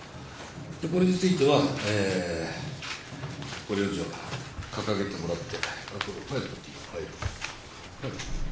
これについては、掲げてもらって。